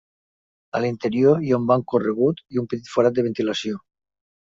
A l'interior hi ha un banc corregut i un petit forat de ventilació.